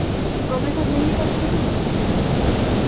Con esas medidas ¿que se fixo?